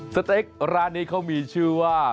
สเต็กร้านนี้เขามีชื่อว่า